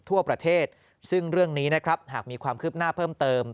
ทั่วประเทศซึ่งเรื่องนี้นะครับหากมีความคืบหน้าเพิ่มเติม